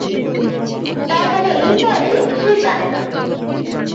তার মানে এই নয় যে, সে জানে না।